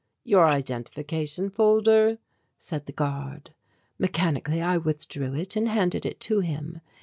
"Your identification folder," said the guard. Mechanically I withdrew it and handed it to him.